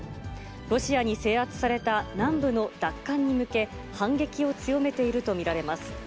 ロシアに制圧された南部の奪還に向け、反撃を強めていると見られます。